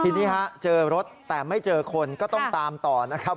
ทีนี้ฮะเจอรถแต่ไม่เจอคนก็ต้องตามต่อนะครับ